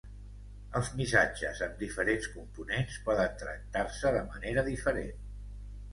Els missatges amb diferents components poden tractar-se de manera diferent.